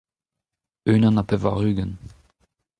unan ha pevar-ugent.